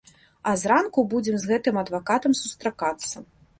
А зранку будзем з гэтым адвакатам сустракацца.